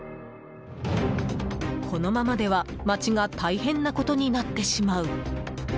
このままでは街が大変なことになってしまう。